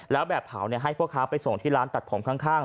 แล้วแบบเผาให้พ่อค้าไปส่งที่ร้านตัดผมข้าง